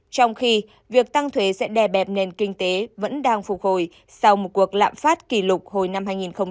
trong khi việc tăng thuế sẽ đè bẹp nền kinh tế vẫn đang phục hồi sau một cuộc lạm phát kỷ lục hồi năm hai nghìn một mươi